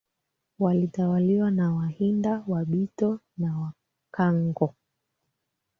walitawaliwa na Wahinda Wabito na Wankango